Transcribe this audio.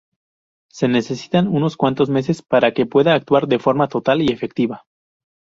Se necesitan unos cuantos meses para que pueda actuar de forma total y efectiva.